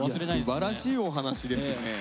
すばらしいお話ですね。